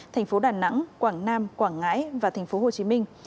thành phố đà nẵng quảng nam quảng ngãi và thành phố hồ chí minh